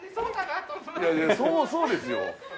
そうそうですよ。